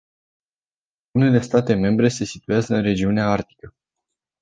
Unele state membre se situează în regiunea arctică.